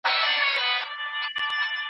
کمپيوټر حساب او کتاب کوي.